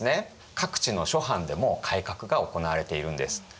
各地の諸藩でも改革が行われているんです。